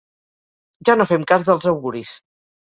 Ja no fem cas dels auguris.